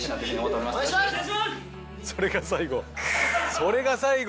それが最後？